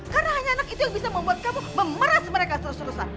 karena hanya anak itu yang bisa membuat kamu memeras mereka serus serusan